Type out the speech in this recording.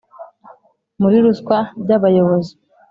Muri ruswa by abayobozi